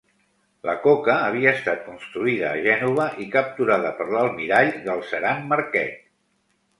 La coca havia estat construïda a Gènova i capturada per l’almirall Galzeran Marquet.